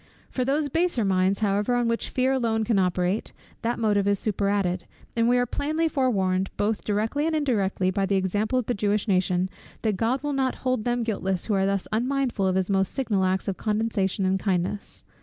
For those baser minds however on which fear alone can operate, that motive is superadded: and we are plainly forewarned, both directly and indirectly, by the example of the Jewish nation, that God will not hold them guiltless who are thus unmindful of his most signal acts of condescension and kindness.